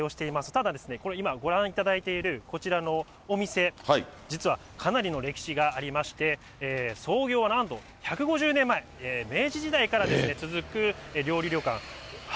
ただですね、これ、今、ご覧いただいている、こちらのお店、実はかなりの歴史がありまして、創業なんと１５０年前、明治時代から続く料理旅館。